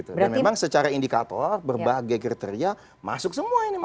dan memang secara indikator berbagai kriteria masuk semua ini mas ahi